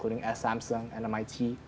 termasuk samsung dan mit